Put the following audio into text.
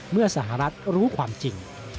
เมื่อสหรัฐรู้ความจริง